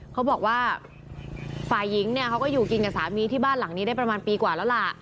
เขาบอกว่าฝ่ายหญิงเนี่ยเขาก็อยู่กินกับสามีที่บ้านหลังนี้ได้ประมาณปีกว่าแล้วล่ะ